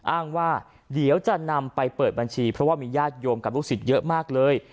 อ้างว่าเดี๋ยวจะนำไปเปิดบัญชีเพราะว่ามีญาติโยมกับลูกศิษย์เยอะมากเลย